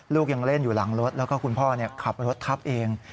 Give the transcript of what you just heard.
ลูกยังเล่นอยู่หลังรถแล้วก็คุณพ่อขับรถทับเอง